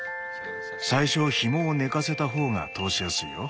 最初ひもを寝かせた方が通しやすいよ。